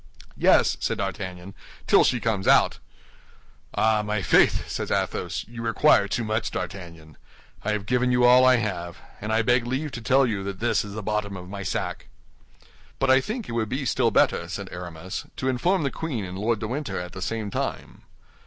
"Yes," said D'Artagnan, "till she comes out." "Ah, my faith!" said Athos, "you require too much, D'Artagnan. I have given you all I have, and I beg leave to tell you that this is the bottom of my sack." "But I think it would be still better," said Aramis, "to inform the queen and Lord de Winter at the same time."